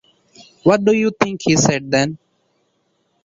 What do you think he said then?